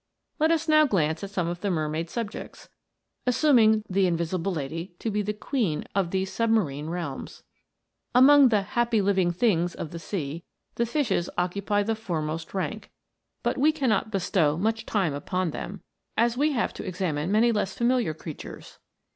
Let us now glance at some of the mermaid's subjects, assuming the invisible lady to be the queen of these submarine realms. Among the "happy living things" of the sea, the fishes occupy the foremost rank, but we cannot bestow much time upon them, as we have to examine many less familiar creatures.